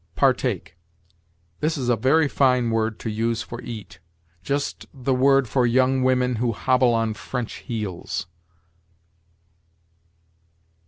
PARTAKE. This is a very fine word to use for eat; just the word for young women who hobble on French heels.